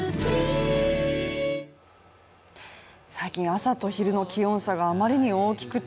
最近、朝と昼の気温差があまりに大きくて。